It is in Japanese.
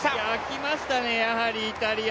来ましたね、やはりイタリア。